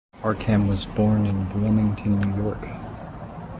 Markham was born in Wilmington, New York.